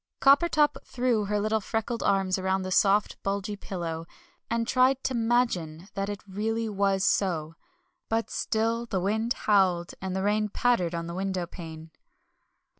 Coppertop threw her little freckled arms round the soft, bulgy pillow, and tried to "'magine" that it really was so; but still the wind howled, and the rain pattered on the windowpane.